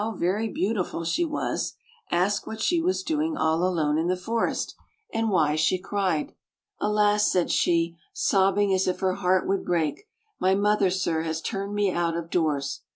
81 very beautiful she was, asked what she was doing all alone in the forest, and why she cried. "Alas!" said she, sobbing as if her heart would break, "my mother, sir, has turned me out of doors."